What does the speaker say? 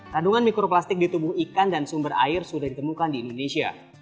kandungan mikroplastik di tubuh ikan dan sumber air sudah ditemukan di indonesia